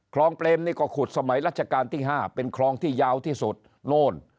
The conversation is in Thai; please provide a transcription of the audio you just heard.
เปรมนี่ก็ขุดสมัยรัชกาลที่๕เป็นคลองที่ยาวที่สุดโน่น